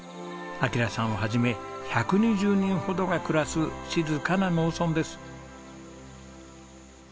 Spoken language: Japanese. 暁良さんを始め１２０人ほどが暮らす静かな農村です。